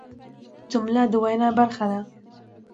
جمله د وینا برخه ده.